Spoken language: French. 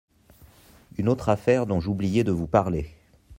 Une autre affaire dont j'oubliais de vous parler.